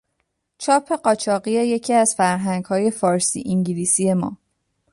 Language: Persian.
چاپ قاچاقی یکی از فرهنگهای فارسی - انگلیسی ما